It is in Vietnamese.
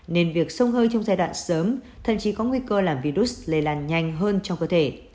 nên việc sông hơi trong giai đoạn sớm thậm chí có nguy cơ làm virus lây lan nhanh hơn trong cơ thể